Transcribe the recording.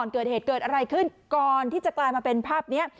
เกิดเหตุเกิดอะไรขึ้นก่อนที่จะกลายมาเป็นภาพนี้